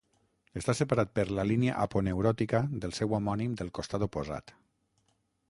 Està separat per la línia aponeuròtica del seu homònim del costat oposat.